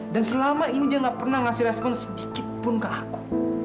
dan selama ini dia gak pernah ngasih respon sedikit pun ke aku